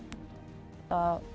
siapa siapa yang mau belain